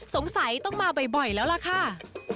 สงสัยต้องมาบ่อยแล้วล่ะค่ะ